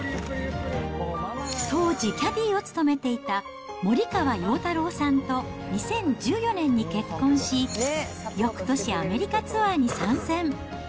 当時、キャディを務めていた森川陽太郎さんと２０１４年に結婚し、よくとし、アメリカツアーに参戦。